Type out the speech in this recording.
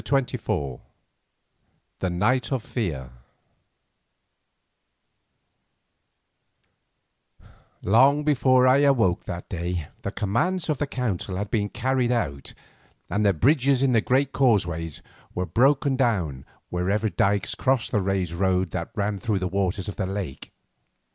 CHAPTER XXIV THE NIGHT OF FEAR Long before I awoke that day the commands of the council had been carried out, and the bridges in the great causeways were broken down wherever dykes crossed the raised roads that ran through the waters of the lake.